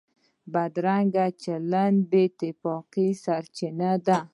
بدرنګه چلند د بې اتفاقۍ سرچینه ده